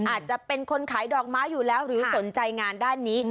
อาจจะเป็นคนขายดอกไม้อยู่แล้วหรือสนใจงานด้านนี้